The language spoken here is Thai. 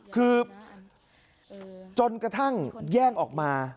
คือจนกระทั่งแย่งออกมา